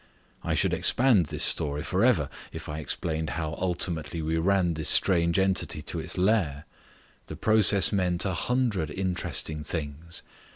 I should expand this story for ever if I explained how ultimately we ran this strange entity to its lair. The process meant a hundred interesting things.